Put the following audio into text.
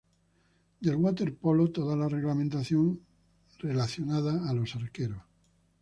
Del waterpolo toda la reglamentación relacionada a los arqueros.